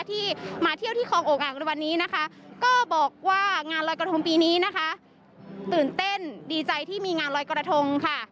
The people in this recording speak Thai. ที่มาเที่ยวที่คลองอกอ่างในวันนี้นะคะก็บอกว่างานลอยกระทงปีนี้นะคะตื่นเต้นดีใจที่มีงานลอยกระทงค่ะ